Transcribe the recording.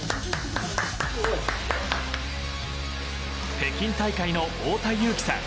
北京大会の太田雄貴さん